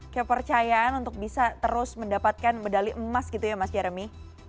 kepercayaan untuk bisa terus mendapatkan medali emas gitu ya mas jeremy